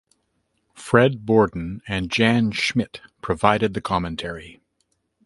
Fred Borden and Jan Schmidt provided the commentary.